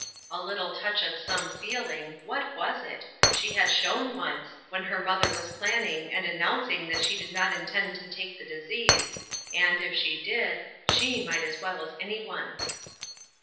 A little touch of some feeling (what was it ?) she had shown once, when her mother was plan ning, and announcing that she did not intend to take the disease, and, if she did, she might as well as anyone.